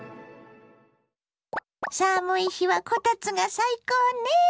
寒い日はこたつが最高ね。